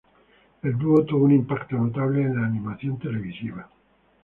El dúo tuvo un impacto notable en la animación televisiva.